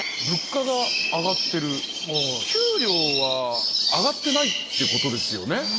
物価が上がってる、給料は上がってないってことですよね？